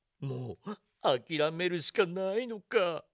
もうあきらめるしかないのか。